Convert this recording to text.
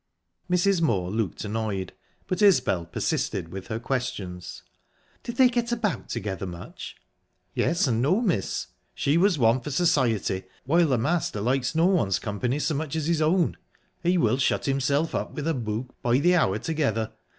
Mrs. Moor looked annoyed, but Isbel persisted with her questions. "Did they get about together much?" "Yes and no, miss. She was one for society, while the master likes no one's company so much as his own. He will shut himself up with a book by the hour together.